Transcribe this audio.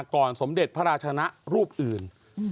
สมเด็จพระราชนะรูปอื่น